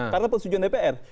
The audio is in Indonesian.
karena persetujuan dpr